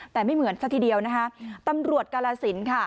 แต่ไม่เหมือนสักทีเดียวตำรวจกลาศิลป์